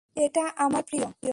এটা আমার প্রিয়।